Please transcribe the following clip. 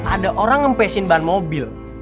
ada orang ngempesin ban mobil